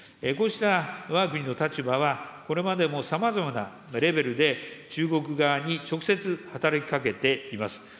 こうしたわが国の立場は、これまでも、さまざまなレベルで中国側に直接働きかけています。